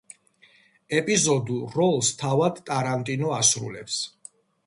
ეპიზოდურ როლს თავად ტარანტინო ასრულებს.